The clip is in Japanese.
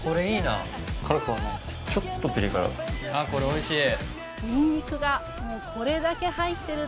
これ、おいしい。